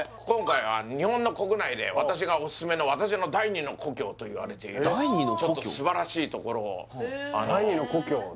今回は日本国内で私がおすすめの私の第２の故郷といわれているちょっと素晴らしいところを第２の故郷？